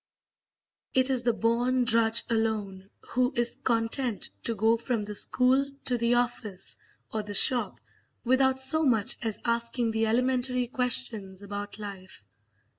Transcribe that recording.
It is the born drudge alone who is content to go from the school to the office or the shop without so much as asking the elementary questions about life.